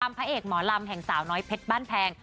พระเอกหมอลำแห่งสาวน้อยเพชรบ้านแพง